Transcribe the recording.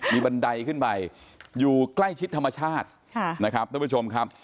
มีบันไดขึ้นไปอยู่ใกล้ชิดธรรมชาตินะครับท่านผู้ชมครับ